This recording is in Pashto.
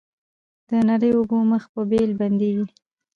د نریو اوبو مخ په بېل بندیږي